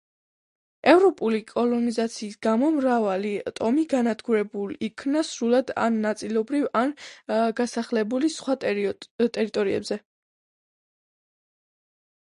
ევროპული კოლონიზაციის გამო მრავალი ტომი განადგურებულ იქნა სრულად ან ნაწილობრივ, ან გასახლებული სხვა ტერიტორიებზე.